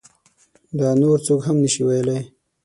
دا نور څوک هم نشي ویلی.